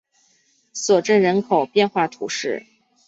索镇人口变化图示